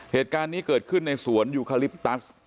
เหตุการณ์นี้เกิดขึ้นในสวนยูคาลิปตัส